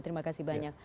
terima kasih banyak